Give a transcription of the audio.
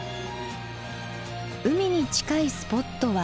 海に近いスポットは。